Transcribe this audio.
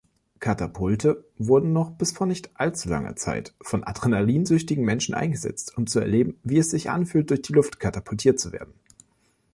Katapulte wurden noch bis vor nicht all zu langer Zeit von adrenalinsüchtigen Menschen eingesetzt, um zu erleben, wie es sich anfühlt, durch die Luft katapultiert zu werden.